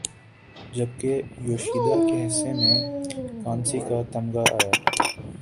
جبکہ یوشیدا کے حصے میں کانسی کا تمغہ آیا